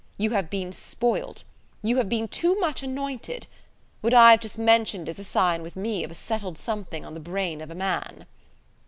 You have been spoilt. You have been too much anointed. What I've just mentioned is a sign with me of a settled something on the brain of a man."